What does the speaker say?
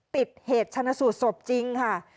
เหตุชนะสูตรศพจริงค่ะ